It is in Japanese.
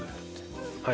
はい。